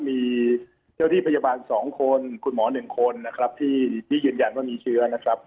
มีเจ้าที่พยาบาล๒คนคุณหมอ๑คนที่ยืนยันว่ามีเชื้อ